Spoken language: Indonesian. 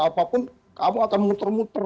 apapun kamu akan muter muter